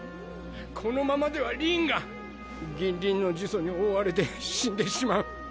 このままではりんが銀鱗の呪詛に覆われて死んでしまう。